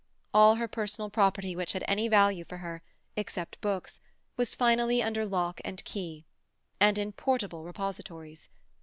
All her personal property which had any value for her, except books, was finally under lock and key, and in portable repositories.